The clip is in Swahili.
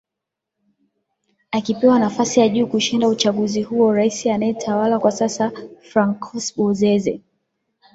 akipewa nafasi ya juu kushinda uchaguzi huo rais anayetawala kwa sasa francois bozeze